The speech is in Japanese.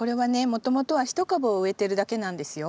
もともとは１株を植えてるだけなんですよ。